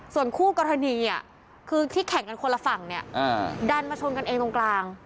ส่วนคู่กรณีคือที่แข่งกันคนละฝั่งเนี่ยดันมาชนกันเองตรงกลาง